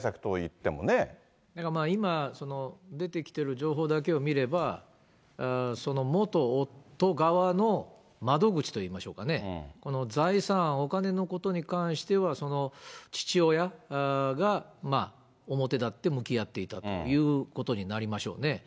だから今出てきている情報だけを見れば、その元夫側の窓口といいましょうかね、財産、お金のことに関しては、父親が表だって向き合っていたということになりましょうね。